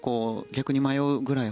逆に迷うぐらい